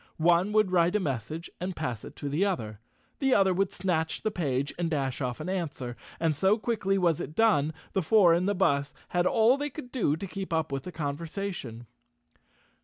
One would write a message and pass it to the other. The other would snatch the page and dash off an answer, and so quickly was it done, the four in the bus had all they could do to keep up with the conversation.